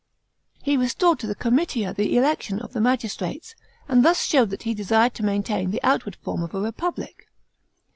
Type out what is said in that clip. He restored to the comitia the election of the magistrates, and thus showed that he desired to maintain the outward form of a republic.